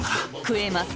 食えます！